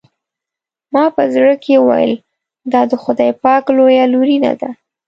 ما په زړه کې وویل دا د خدای پاک لویه لورېینه ده.